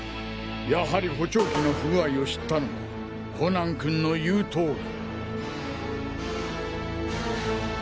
やはり補聴器の不具合を知ったのはコナン君の言う通り。